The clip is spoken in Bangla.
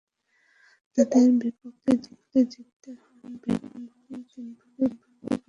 তাদের বিপক্ষে আমাদের জিততে হলে ব্যাটিং, বোলিং, ফিল্ডিং—তিন বিভাগেই ভালো করতে হবে।